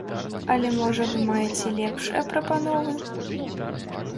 Але можа вы маеце лепшыя прапановы?